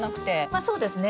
まあそうですね。